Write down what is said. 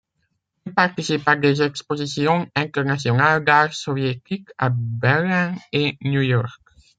Il participe à des expositions internationales d'art soviétique à Berlin et New-York.